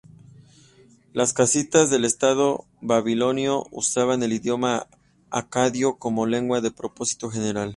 Los casitas del estado babilonio usaban el idioma acadio como lengua de propósito general.